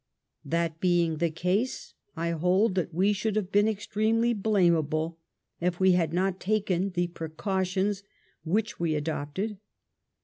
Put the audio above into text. That being the case, I hold that we should have been ex tremely blamable if we had not taken the precautions which we adopted.